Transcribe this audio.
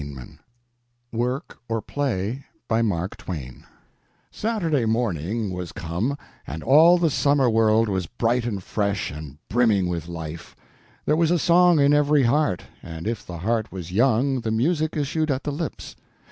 UNKNOWN WORK OR PLAY Saturday morning was come, and all the summer world was bright and fresh and brimming with life. There was a song in every heart; and if the heart was young the music issued at the lips.